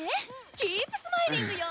キープスマイリングよ。